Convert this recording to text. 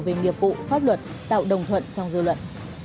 về nghiệp vụ pháp luật tạo đồng thuận trong dư luận